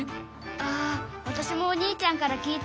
あわたしもお兄ちゃんから聞いた。